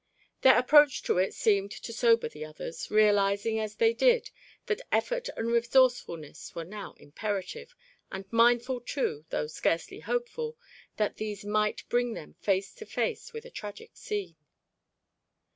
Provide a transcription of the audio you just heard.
Their approach to it seemed to sober the others, realizing as they did that effort and resourcefulness were now imperative, and mindful, too, though scarcely hopeful, that these might bring them face to face with a tragic scene.